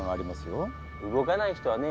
動かない人はね